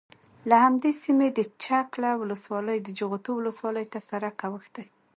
له همدې سیمې د چک له ولسوالۍ د جغتو ولسوالۍ ته سرک اوښتی،